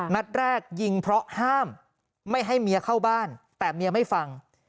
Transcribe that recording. นัดแรกยิงเพราะห้ามไม่ให้เมียเข้าบ้านแต่เมียไม่ฟัง